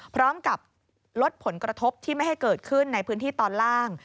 พร้อมกับลดผลกระทบที่ไม่ให้เกิดขึ้นในพื้นที่ตอนล่าง